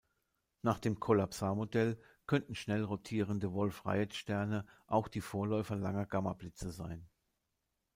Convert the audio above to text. Nach dem Kollapsar-Modell könnten schnell rotierende Wolf-Rayet-Sterne auch die Vorläufer langer Gammablitze sein.